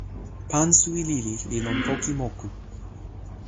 pan suwi lili li lon poki moku